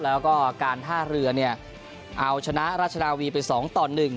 แล้วก็การท่าเรือเนี่ยเอาชนะราชนาวีไป๒ต่อ๑